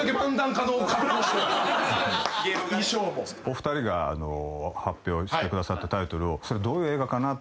お二人が発表してくださったタイトルをそれ。